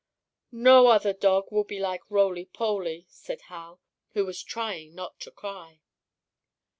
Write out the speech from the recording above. "No other dog will be like Roly Poly," said Hal, who was trying not to cry.